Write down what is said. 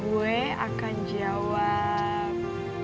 gue akan jawab